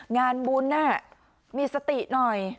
งานบุญมีสติหน่อย